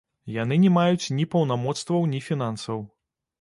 Яны не маюць ні паўнамоцтваў, ні фінансаў.